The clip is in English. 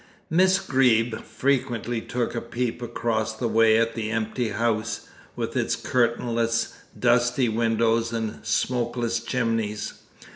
Miss Greeb frequently took a peep across the way at the empty house, with its curtainless, dusty windows and smokeless chimneys.